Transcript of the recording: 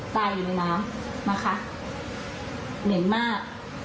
ตายอยู่ในน้ำแหมียงมาก